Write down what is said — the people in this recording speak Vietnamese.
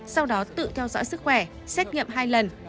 sau đó tự theo dõi sức khỏe xét nghiệm hai lần